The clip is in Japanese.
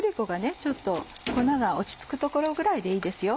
ちょっと粉が落ち着くところぐらいでいいですよ。